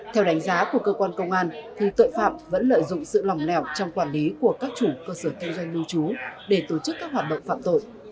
theo đánh giá của cơ quan công an tội phạm vẫn lợi dụng sự lòng lẻo trong quản lý của các chủ cơ sở kinh doanh lưu trú để tổ chức các hoạt động phạm tội